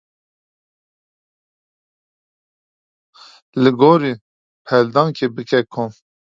Li gorî peldankê bike kom.